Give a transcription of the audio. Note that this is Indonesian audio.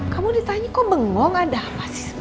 kamu ditanya kok bengong ada apa sih